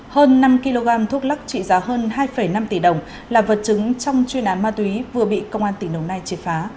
hơn năm kg thuốc lắc trị giá hơn hai năm tỷ đồng là vật chứng trong chuyên án ma túy vừa bị công an tỉnh đồng nai triệt phá